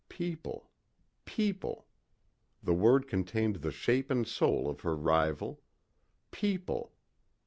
People ... people ... the word contained the shape and soul of her rival. People